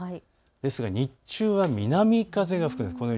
ですが、日中は南風が吹くんです。